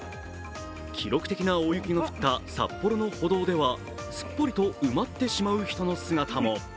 記録的な大雪の降った札幌の歩道ではすっぽりと埋まってしまう人の姿も。